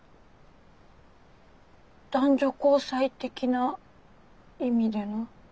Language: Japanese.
男女交際的な意味での？